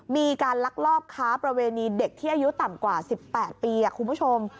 มีการลักลอบค้าประเวณีเด็กที่อายุต่ำกว่า๑๘ปีคุณผู้ชม